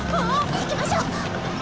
行きましょう！